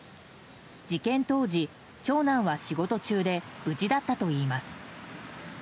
事件当時、長男は仕事中で無事だったといいます。